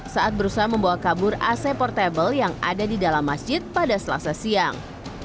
saat berusaha membawa kabur ac portable yang ada di dalam masjid pada selasa siang